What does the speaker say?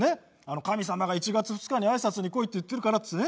神様が「１月２日に挨拶に来いって言ってるから」っつってね。